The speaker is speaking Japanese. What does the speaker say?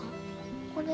これ？